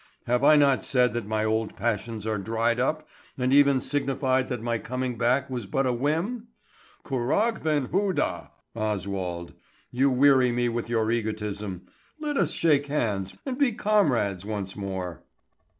Have I not said that my old passions are dried up, and even signified that my coming back was but a whim? Curraghven hoodah, Oswald, you weary me with your egotism. Let us shake hands and be comrades once more."